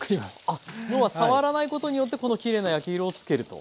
あっ要は触らないことによってこのきれいな焼き色をつけると。